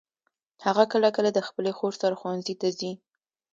هغه کله کله د خپلي خور سره ښوونځي ته ځي.